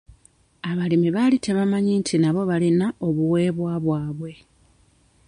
Abalimi baali tebamanyi nti nabo balina obuweebwa bwabwe.